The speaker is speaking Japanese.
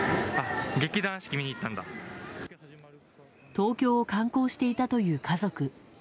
東京を観光していたという家族。